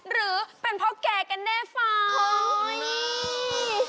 หรือเป็นเพราะแก่กันแน่ฟัง